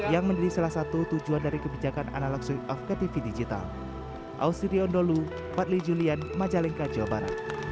yang menjadi salah satu tujuan dari kebijakan analog swit off ke tv digital